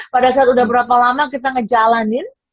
pada saat udah berapa lama kita ngejalanin